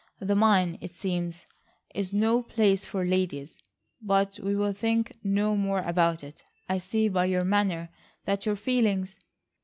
The mine, it seems, is no place for ladies. But we will think no more about it. I see by your manner that your feelings..."